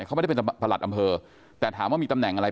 เขาไม่ได้เป็นประหลัดอำเภอแต่ถามว่ามีตำแหน่งอะไร